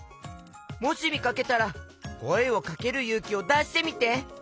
もしみかけたらこえをかけるゆうきをだしてみて！